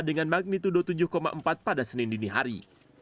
dengan magnitudo tujuh empat pada senin dinihari